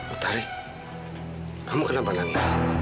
otari kamu kenapa nanti